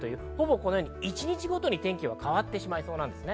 このように一日ごとに天気は変わってしまいそうです。